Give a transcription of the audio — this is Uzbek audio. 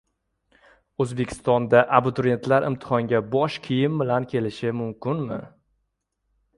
O‘zbekistonda abituriyentlar imtihonga bosh kiyim bilan kelishi mumkinmi?